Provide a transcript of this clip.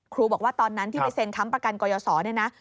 บอกว่าตอนนั้นที่ไปเซ็นค้ำประกันกยศรเนี่ยนะ